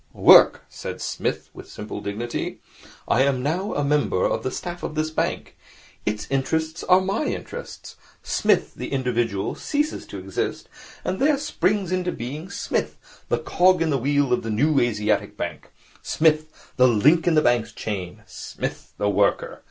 'Work,' said Psmith, with simple dignity. 'I am now a member of the staff of this bank. Its interests are my interests. Psmith, the individual, ceases to exist, and there springs into being Psmith, the cog in the wheel of the New Asiatic Bank; Psmith, the link in the bank's chain; Psmith, the Worker.